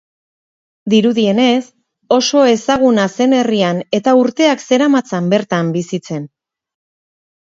Dirudienez, oso ezaguna zen herrian eta urteak zeramatzan bertan bizitzen.